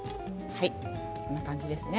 こんな感じですね。